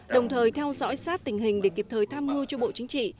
đồng thời theo dõi sát tình hình để kịp thời tham mưu cho bộ chính trị